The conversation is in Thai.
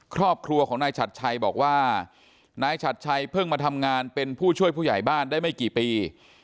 ครอบครัวของนายฉัดชัยบอกว่านายฉัดชัยเพิ่งมาทำงานเป็นผู้ช่วยผู้ใหญ่บ้านได้ไม่กี่ปี